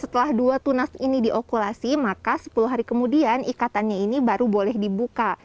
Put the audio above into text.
setelah dua tunas ini diokulasi maka sepuluh hari kemudian ikatannya ini baru boleh dibuka